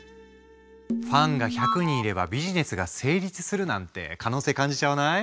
ファンが１００人いればビジネスが成立するなんて可能性感じちゃわない？